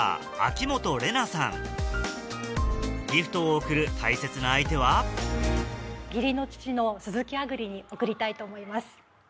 ギフトを贈る大切な相手は義理の父の鈴木亜久里に贈りたいと思います。